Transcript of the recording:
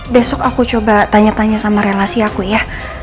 besok aku coba tanya tanya sama relasi aku ya